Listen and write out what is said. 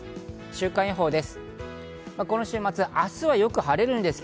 週間予報です。